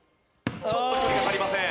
ちょっと距離が足りません。